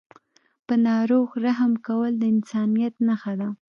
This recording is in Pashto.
په ناروغ رحم کول د انسانیت نښه ده.